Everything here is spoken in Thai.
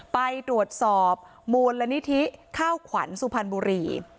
ไปตรวจสอบมูลนิธิข้าวขวัญสุพรรณบุรี